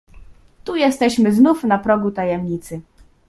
"Tu jesteśmy znów na progu tajemnicy."